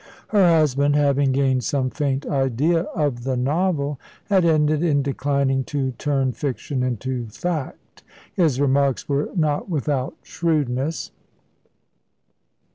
Her husband, having gained some faint idea of the novel, had ended in declining to turn fiction into fact. His remarks were not without shrewdness.